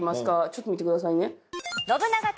ちょっと見てくださいね。